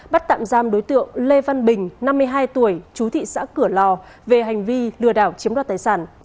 bắt tạm giam đối tượng lê văn bình năm mươi hai tuổi chú thị xã cửa lò về hành vi lừa đảo chiếm đoạt tài sản